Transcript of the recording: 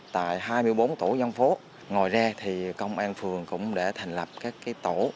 tại hai mươi bốn tổ dân phố ngoài ra thì công an phường cũng đã thành lập các tổ